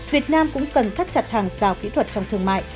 việt nam cũng cần thắt chặt hàng giao kỹ thuật trong thương mại